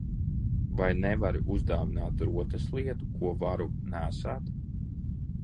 Vai nevari uzdāvināt rotaslietu, ko varu nēsāt?